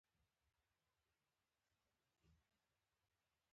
دا دی زه بیا یوازې یم.